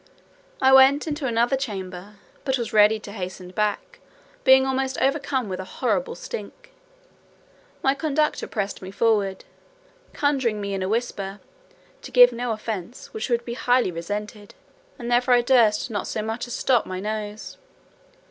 I went into another chamber, but was ready to hasten back, being almost overcome with a horrible stink. My conductor pressed me forward, conjuring me in a whisper "to give no offence, which would be highly resented;" and therefore I durst not so much as stop my nose.